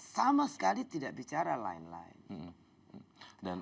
sama sekali tidak bicara lain lain